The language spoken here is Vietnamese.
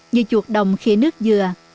như chuột đồng khỉ nước dừa